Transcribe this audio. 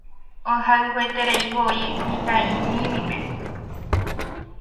Ohayhuetereivoi mitã'imimíme.